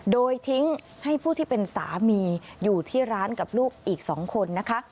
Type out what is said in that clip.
โดยทิ้งให้ผู้ที่เป็นสามีอยู่ที่ร้านกับลูกอีก๒คนนะคะ